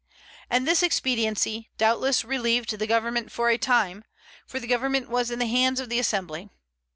And this expediency, doubtless, relieved the government for a time, for the government was in the hands of the Assembly.